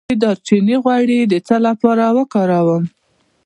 د دارچینی غوړي د څه لپاره وکاروم؟